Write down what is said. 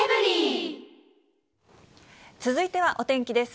続いてはお天気です。